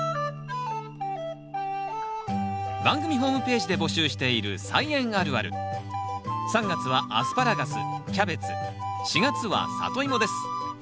番組ホームページで募集している３月は「アスパラガスキャベツ」４月は「サトイモ」です。